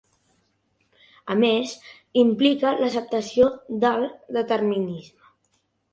A més, implica l'acceptació del determinisme.